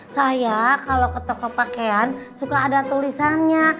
saya kalau ke toko pakaian suka ada tulisannya